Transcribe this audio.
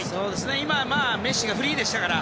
今、メッシがフリーでしたからね。